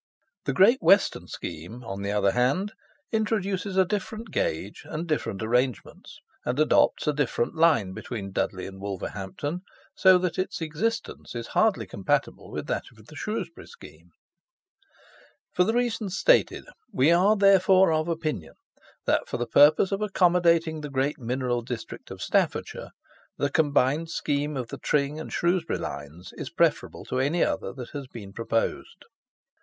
The Great Western scheme, on the other hand, introduces a different gauge and different arrangements, and adopts a different line between Dudley and Wolverhampton, so that its existence is hardly compatible with that of the Shrewsbury scheme. For the reasons stated we are therefore of opinion that, for the purpose of accommodating the great mineral district of Staffordshire, the combined scheme of the Tring and Shrewsbury lines is preferable to any other that has been proposed.